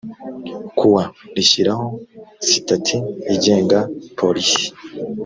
kuwa rishyiraho sitati igenga polisi